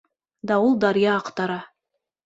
Дауыл даръя аҡтара.